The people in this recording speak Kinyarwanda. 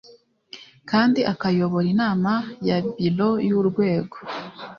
kandi akayobora inama ya biro y urwego